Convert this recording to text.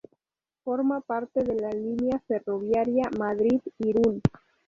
Forma parte de la línea ferroviaria Madrid-Irún.